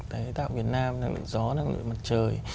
tái tạo việt nam năng lượng gió năng lượng mặt trời